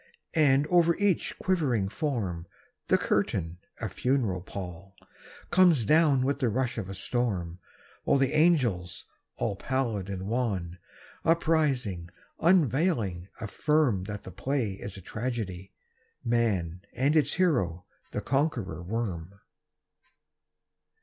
And, over each quivering form, The curtain, a funeral pall, Comes down with the rush of a storm And the angels, all pallid and wan, Uprising, unveiling, affirm That the play is the tragedy, "Man," And its hero the Conqueror Worm.